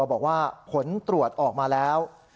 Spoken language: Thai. บอกว่าผลตรวจออกมาแล้ว